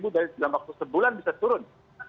dari dalam waktu sebulan bisa turun